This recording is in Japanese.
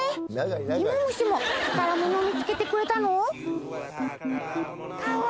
イモムシも宝物見つけてくれたの？